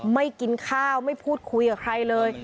ไม่กินข้าวไม่พูดคุยกับใครเลย